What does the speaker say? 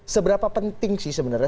seberapa penting sih sebenarnya